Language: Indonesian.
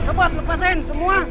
cepat lepasin semua